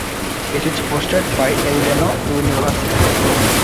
It is hosted by Arellano University.